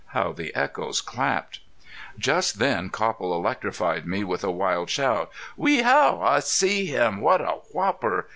How the echoes clapped! Just then Copple electrified me with a wild shout. "Wehow! I see him.... What a whopper!"